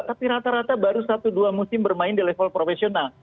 tapi rata rata baru satu dua musim bermain di level profesional